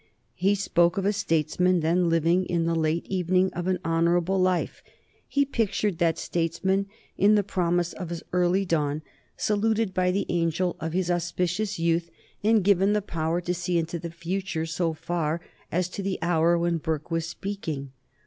He spoke of a statesman then living in the late evening of an honorable life. He pictured that statesman in the promise of his early dawn, saluted by the angel of his auspicious youth, and given the power to see into the future, so far as to the hour when Burke was speaking.